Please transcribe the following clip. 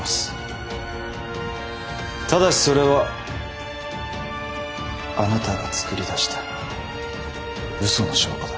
ただしそれはあなたが作り出したうその証拠だ。